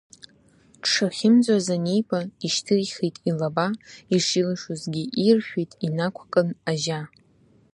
Дшахьымӡоз аниба, ишьҭихт илаба, Ишилшозгьы иршәит, инақәкын Ажьа…